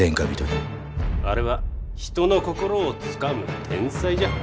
あれは人の心をつかむ天才じゃ。